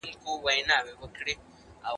لیکل تر اورېدلو د یادښتونو په ساتلو کي ډاډمن دي.